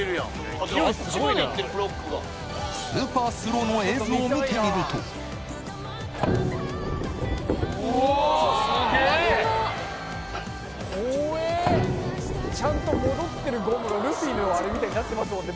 あっちまでいってるブロックがスーパースローの映像を見てみるとちゃんと戻ってるゴムがルフィのあれみたいになってますもんね